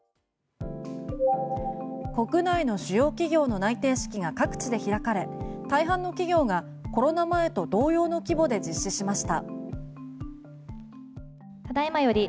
国内の主要企業の内定式が各地で開かれ大半の企業がコロナ前と同様の規模で実施しました。